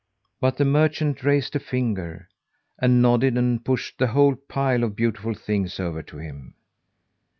But the merchant raised a finger and nodded and pushed the whole pile of beautiful things over to him.